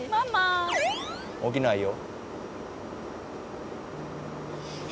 起きないよ。